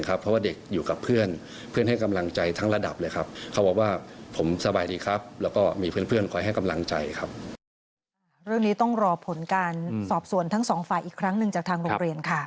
เรื่องนี้ต้องรอผลการสอบสวนทั้งสองฝ่ายอีกครั้งหนึ่งจากทางโรงเรียนค่ะ